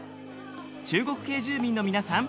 中国系住民の皆さん